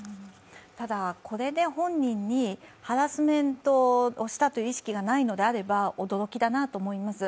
ただ、これで本人にハラスメントをしたという意識がないのであれば驚きだなと思います。